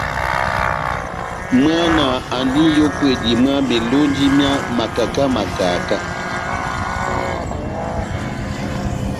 Mwana andi n'yókwedi mwá melonji mia makaka makaka.